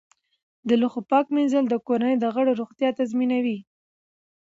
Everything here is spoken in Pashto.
د لوښو پاک مینځل د کورنۍ د غړو روغتیا تضمینوي.